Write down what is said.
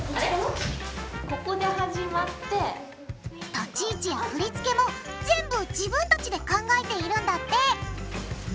立ち位置や振り付けも全部自分たちで考えているんだって！